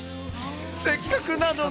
せっかくなので。